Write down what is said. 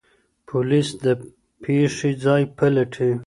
پوليس د پېښې ځای پلټي.